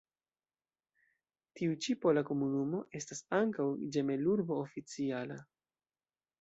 Tiu ĉi pola komunumo estas ankaŭ ĝemelurbo oficiala.